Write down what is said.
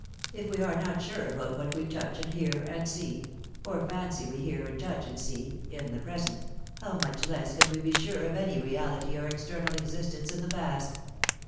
If we are not sure about what we touch and hear and see or fancy we hear and touch and see in the present, how much less can we be sure of any reality or external existence in the past